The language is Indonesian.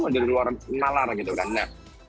yang diluar nalar gitu kan nah